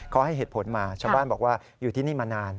เขาให้เหตุผลมาชาวบ้านบอกว่าอยู่ที่นี่มานาน